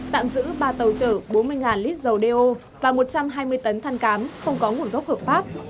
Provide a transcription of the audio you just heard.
tạm giữ ba tàu chở bốn mươi lít dầu đeo và một trăm hai mươi tấn than cám không có nguồn gốc hợp pháp